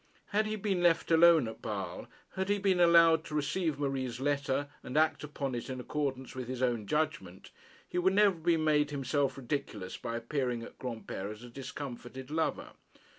Had he been left alone at Basle, had he been allowed to receive Marie's letter, and act upon it in accordance with his own judgment, he would never have made himself ridiculous by appearing at Granpere as a discomfited lover.